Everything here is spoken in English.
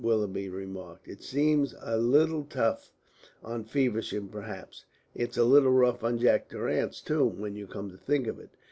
Willoughby remarked. "It seems a little rough on Feversham perhaps. It's a little rough on Jack Durrance, too, when you come to think of it."